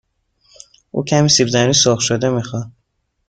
او کمی سیب زمینی سرخ شده می خواهد.